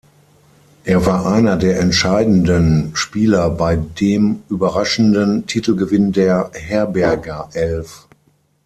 Er war einer der entscheidenden Spieler bei dem überraschenden Titelgewinn der Herberger-Elf.